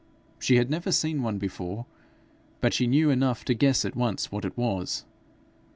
She had never seen one before, but she knew enough to guess at once what it was.